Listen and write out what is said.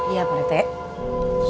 iya pak tete